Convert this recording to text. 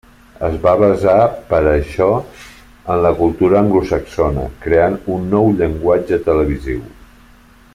Es va basar per a això en la cultura anglosaxona, creant un nou llenguatge televisiu.